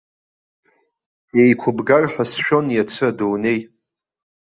Еиқәыбгар ҳәа сшәон иацы адунеи.